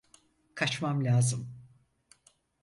Kaçmam lazım.